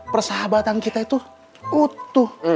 persahabatan kita itu utuh